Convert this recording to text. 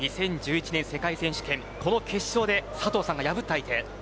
２０１１年世界選手権この決勝で佐藤さんが破った相手。